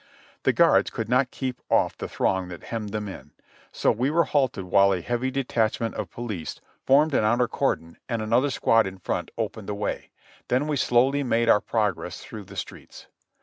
The guards could not keep off the throng that hemmed them in; so we were halted while a heavy detachment of police formed an outer cordon and another 2l6 JOHNNY REB AND BILLY YANK squad in front opened the way; then we slowly made our pro gress through the streets.